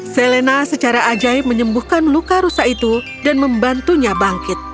selena secara ajaib menyembuhkan luka rusa itu dan membantunya bangkit